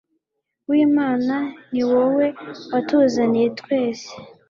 w'imana, ni wowe watuzaniye twese